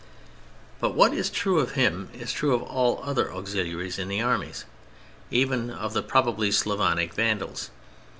But what is true of him is true of all other auxiliaries in the Armies—even of the probably Slavonic Vandals.